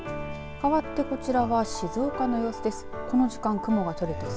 かわってこちらは静岡の様子です。